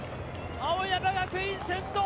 青山学院、先頭！